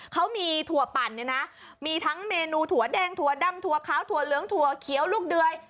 เขามีถั่วปั่นเนี่ยนะมีทั้งเมนูถั่วแดงถั่วดำถั่วขาวถั่วเหลืองถั่วเขียวลูกเดย